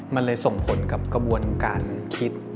มันเลยส่งผลกับกระบวนการคิด